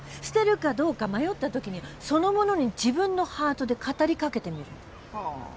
捨てるかどうか迷ったときにはその物に自分のハートで語りかけてみるの。